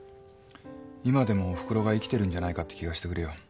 今でもおふくろが生きてるんじゃないかって気がしてくるよ。